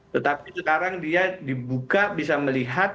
tetapi sekarang dia dibuka bisa melihat